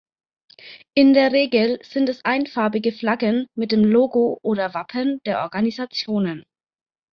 In der Regel sind es einfarbige Flaggen mit dem Logo oder Wappen der Organisationen.